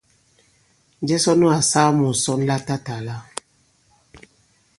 Njɛ sɔ nu kà-saa mu ŋ̀sɔn latatàla?